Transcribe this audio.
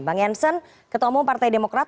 bang jansen ketemu partai demokrat